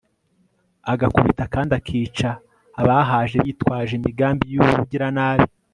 agakubita kandi akica abahaje bitwaje imigambi y'ubugiranabi